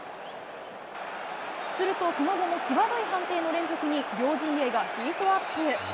するとその後も際どい判定の連続に、両陣営がヒートアップ。